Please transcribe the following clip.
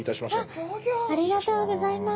ありがとうございます。